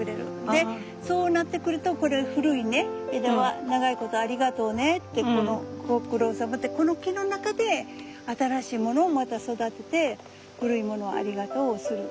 でそうなってくるとこれ古い枝は長いことありがとうねってご苦労さまってこの木の中で新しいものをまた育てて古いものをありがとうする。